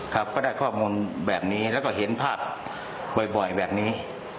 ครับก็ได้ข้อมูลแบบนี้แล้วก็เห็นภาพบ่อยแบบนี้